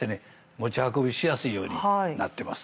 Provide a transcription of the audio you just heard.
持ち運びしやすいようになってます。